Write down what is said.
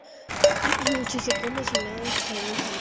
Si se come sin nada, su sabor es amargo.